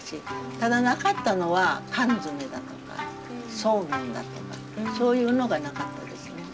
ただなかったのは缶詰だとかそうめんだとかそういうのがなかったですね。